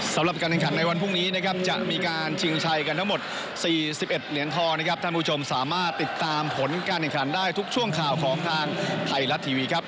สำหรับการแข่งขันในวันพรุ่งนี้นะครับจะมีการชิงชัยกันทั้งหมด๔๑เหรียญทองนะครับท่านผู้ชมสามารถติดตามผลการแข่งขันได้ทุกช่วงข่าวของทางไทยรัฐทีวีครับ